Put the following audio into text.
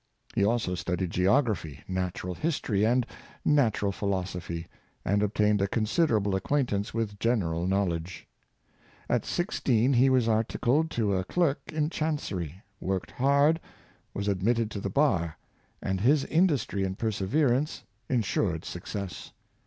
He also studied geograph}^, natural history, and natural philos ophy, and obtained a considerable acquaintance with 21 322 yohn Leyden. general knowledge. At sixteen he was articled to a clerk in Chancer}^; worked hard; was admitted to the bar; and his industry and perseverance insured success.